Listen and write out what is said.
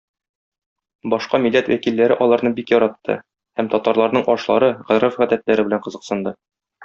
Башка милләт вәкилләре аларны бик яратты һәм татарларның ашлары, гореф-гадәтләре белән кызыксынды.